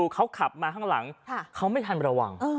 เขาขับมาข้างหลังเขาไม่ทันระวัง